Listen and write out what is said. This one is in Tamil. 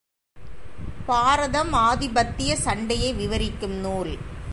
பாரதம் ஆதிபத்திய சண்டையை விவரிக்கும் நூல்.